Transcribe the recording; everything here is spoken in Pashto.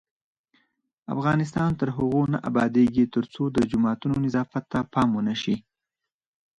افغانستان تر هغو نه ابادیږي، ترڅو د جوماتونو نظافت ته پام ونشي.